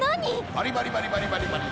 バリバリバリバリバリバリ！